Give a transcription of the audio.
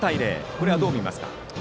これはどう見ますか。